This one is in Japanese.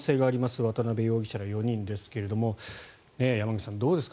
渡邉容疑者ら４人ですが山口さん、どうですか？